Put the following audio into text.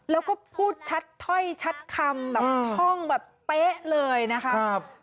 แล้วก็พูดชัดถ้อยชัดคำแบบท่องแบบเป๊ะเลยนะครับ